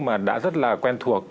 mà đã rất là quen thuộc